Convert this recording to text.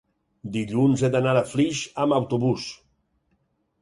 dilluns he d'anar a Flix amb autobús.